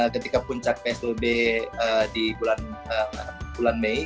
ketika puncak psbb di bulan mei